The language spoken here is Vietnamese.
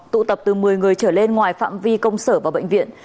tụ tập từ một mươi người trở lên ngoài phạm vi công sở và bệnh viện